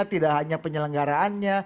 tidak hanya penyelenggaraannya